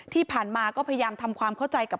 ที่ผ่านมาก็พยายามทำความเข้าใจกับ